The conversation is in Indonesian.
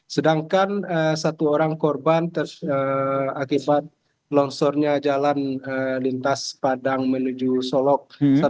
sedangkan satu orang korban akibat longsornya jalan lintas padang menuju solok